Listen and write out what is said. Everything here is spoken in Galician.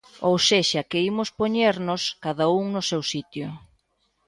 Ou sexa que imos poñernos cada un no seu sitio.